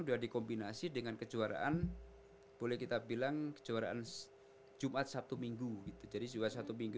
sudah dikombinasi dengan kejuaraan boleh kita bilang kejuaraan jumat satubinggu gitu jadi jumat satubinggu